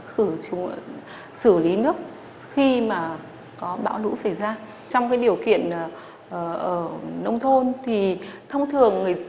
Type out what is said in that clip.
cử chú sử lý nước khi mà có bão lũ xảy ra trong cái điều kiện ở nông thôn thì thông thường người